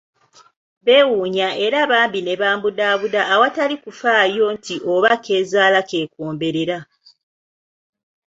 Beewuunya era bambi ne bambudaabuda awatali kufaayo nti oba k'ezaala k'ekomberera.